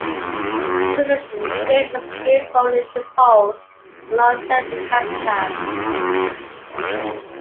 Citizenship was give only to Poles and long-term inhabitants.